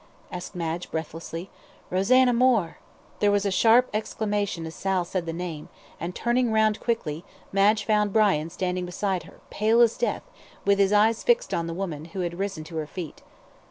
asked Madge, breathlessly. "Rosanna Moore!" There was a sharp exclamation as Sal said the name, and, turning round quickly, Madge found Brian standing beside her, pale as death, with his eyes fixed on the woman, who had risen to her feet.